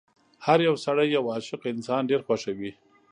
هر يو سړی یو عاشق انسان ډېر خوښوي.